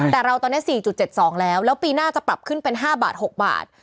แต่เราตอนเนี้ยสี่จุดเจ็ดสองแล้วแล้วปีหน้าจะปรับขึ้นเป็นห้าบาทหกบาท